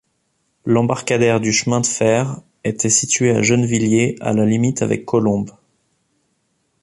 L'embarcadère du chemin de fer était situé à Gennevilliers à la limite avec Colombes.